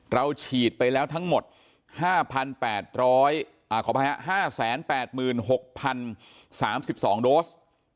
เราฉีดไปแล้วทั้งหมด๕๘๘๖๐๓๒โดส